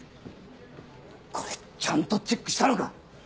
これちゃんとチェックしたのか？